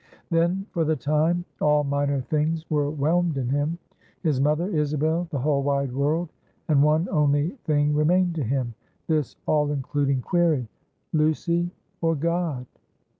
Then, for the time, all minor things were whelmed in him; his mother, Isabel, the whole wide world; and one only thing remained to him; this all including query Lucy or God?